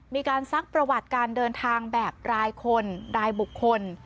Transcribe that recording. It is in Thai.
ซักประวัติการเดินทางแบบรายคนรายบุคคล